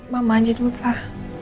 mama aja dulu pak